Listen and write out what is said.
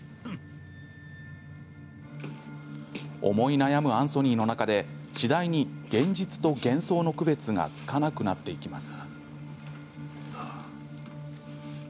思い悩むアンソニーの中で次第に現実と幻想の区別がつかなくなっていきます。